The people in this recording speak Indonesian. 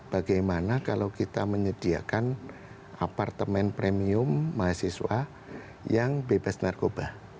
bagaimana kalau kita menyediakan apartemen premium mahasiswa yang bebas narkoba